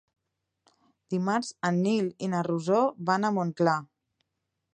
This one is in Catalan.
Dimarts en Nil i na Rosó van a Montclar.